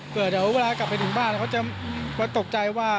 เผื่อเดี๋ยวเวลากลับไปถึงบ้านเขาจะตกใจว่า